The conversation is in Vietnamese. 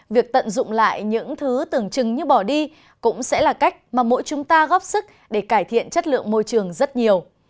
việc tận dụng lại những thứ tưởng chừng như bỏ đi cũng sẽ là cách mà mỗi chúng ta góp sức để cải thiện chất lượng môi trường rất nhiều